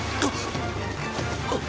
あっ！